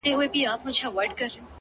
اوس دي لا د حسن مرحله راغلې نه ده.